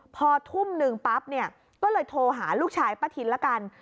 พอทุ่มหนึ่งปั๊บเนี่ยก็เลยโทรหาลูกชายป้าทินละกัน